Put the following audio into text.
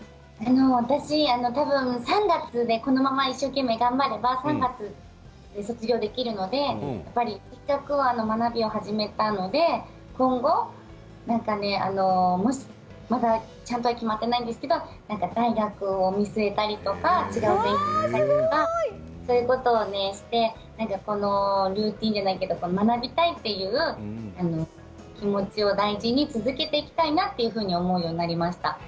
私、たぶん３月でこのまま一生懸命頑張れば卒業できるのでやっぱり学びを始めたので今後まだちゃんとは決まっていないんですけれど大学を見据えたりとかそういうことをしてルーティンじゃないけれど学びたいという気持ちを大事に続けていきたいなというふうに思うようになりました。